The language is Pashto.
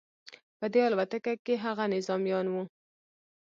په دې الوتکه کې هغه نظامیان وو